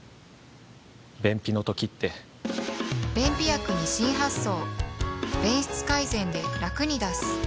便秘の時って便秘薬に新発想